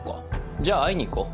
じゃあ会いに行こう。